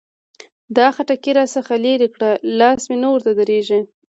دا خټکي را څخه لري کړه؛ لاس مې نه ورته درېږي.